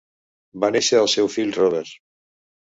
Va néixer el seu fill Robert.